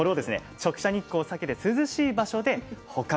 直射日光を避けて涼しい場所で保管します。